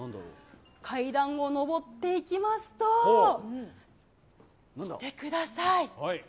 階段を上っていきますと、見てください。